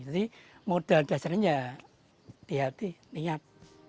jadi modal besar ini ya di hati niat